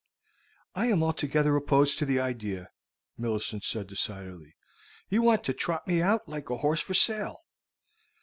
"I am altogether opposed to the idea," Millicent said decidedly. "You want to trot me out like a horse for sale."